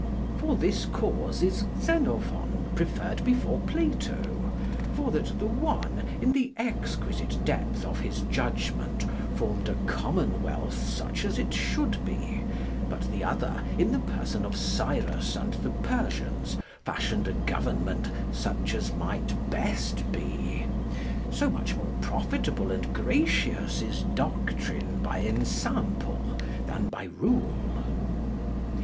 For this cause is Xenophon preferred before Plato, for that the one, in the exquisite depth of his judgement, formed a commune welth such as it should be, but the other in the person of Cyrus and the Persians fashioned a governement, such as might best be: so much more profitable and gratious is doctrine by ensample, then by rule.